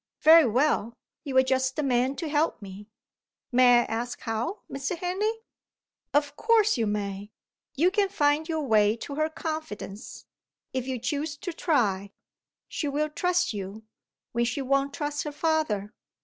Very well; you are just the man to help me." "May I ask how, Mr. Henley?" "Of course you may. You can find your way to her confidence, if you choose to try; she will trust you, when she won't trust her father.